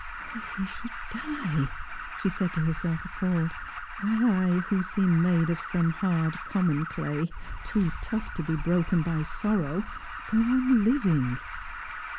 " If he should die," she said to herself, ajopalled; " whUe I, who seem made of some hard common clay, too tough to be broken by sorrow, go on living."